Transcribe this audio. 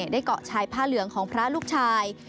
ได้เกาะชายผ้าเหลืองของพระลูกชาย